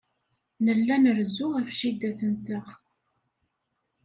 Nella nrezzu ɣef jida-tenteɣ.